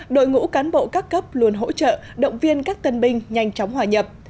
đội ngũ cán bộ các cấp luôn hỗ trợ động viên các tân binh nhanh chóng hòa nhập